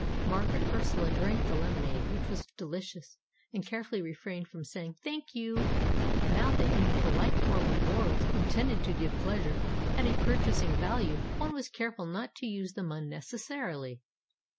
Margaret Ursula drank the lemonade, which was delicious, and carefully re frained from saying "Thank you." Now that any po lite form of words, intended to give pleasure, had a purchasing value, one was careful not to use them un necessarily.